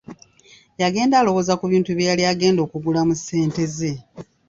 Yagenda alowooza ku bintu bye yali agenda okugula mu ssente ze.